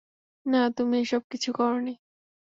না, তুমি এসব কিছু করনি।